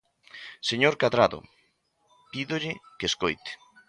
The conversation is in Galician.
Señor Cadrado, pídolle que escoite.